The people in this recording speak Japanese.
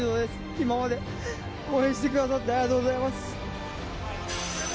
今まで応援してくださってありがとうございます。